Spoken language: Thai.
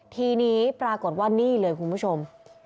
ทีนี้ปรากฏว่านี่เลยคุณผู้ชม